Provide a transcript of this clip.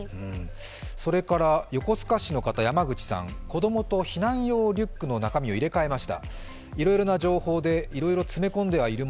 それから、横須賀市の山口さん子供と避難用リュックの中身を入れ替えました。